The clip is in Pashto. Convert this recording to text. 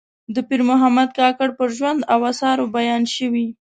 د پیر محمد کاکړ پر ژوند او آثارو بیان شوی.